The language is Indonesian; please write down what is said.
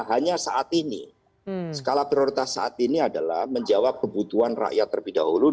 hanya saat ini skala prioritas saat ini adalah menjawab kebutuhan rakyat terlebih dahulu